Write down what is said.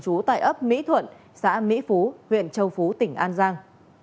trú tại ấp mỹ thuận xã mỹ phú huyện châu phú tỉnh an giang